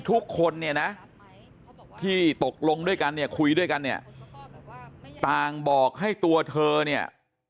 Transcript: ทุกคนเนี่ยนะที่ตกลงด้วยกันเนี่ยคุยด้วยกันเนี่ยต่างบอกให้ตัวเธอเนี่ย